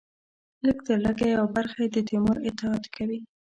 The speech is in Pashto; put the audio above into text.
لږترلږه یوه برخه یې د تیمور اطاعت کوي.